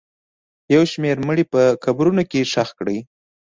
یو شمېر مړي په قبرونو کې ښخ کړي دي